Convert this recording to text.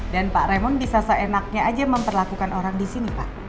pak remond bisa seenaknya aja memperlakukan orang di sini pak